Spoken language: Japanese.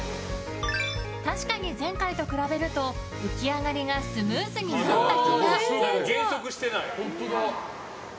確かに、前回と比べると浮き上がりがスムーズになった気が。